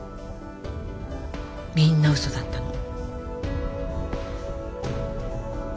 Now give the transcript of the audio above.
みんな嘘だったの。